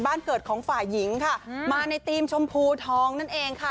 บ้านเกิดของฝ่ายหญิงค่ะมาในธีมชมพูทองนั่นเองค่ะ